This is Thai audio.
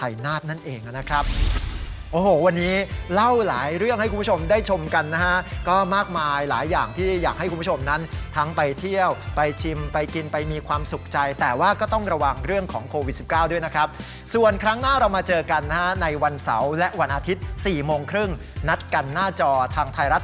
อยากให้คุณผู้ชมนั้นทั้งไปเที่ยวไปชิมไปกินไปมีความสุขใจแต่ว่าก็ต้องระวังเรื่องของโควิดสิบเก้าด้วยนะครับส่วนครั้งหน้าเรามาเจอกันฮะในวันเสาร์และวันอาทิตย์สี่โมงครึ่งนัดกันหน้าจอทางไทยรัต